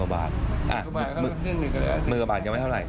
๑๐๐๐๐กว่าบาทจะไม่เท่าไหร่